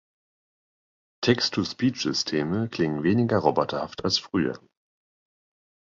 Text to Speech-Systeme klingen weniger roboterhaft als früher.